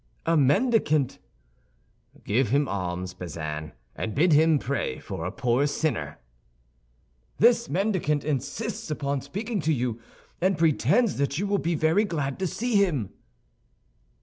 "A mendicant." "Give him alms, Bazin, and bid him pray for a poor sinner." "This mendicant insists upon speaking to you, and pretends that you will be very glad to see him."